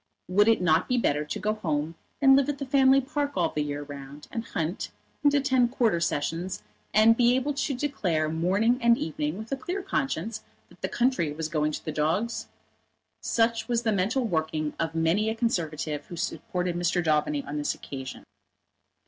Would it not be better to go home and live at the family park all the year round, and hunt, and attend Quarter Sessions, and be able to declare morning and evening with a clear conscience that the country was going to the dogs? Such was the mental working of many a Conservative who supported Mr. Daubeny on this occasion.